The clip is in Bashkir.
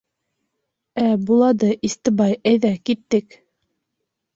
— Ә, булады, Истебай, әйҙә, киттек.